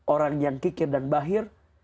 orang yang kikir dan bahir